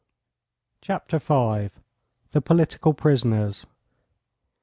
CHAPTER V. THE POLITICAL PRISONERS.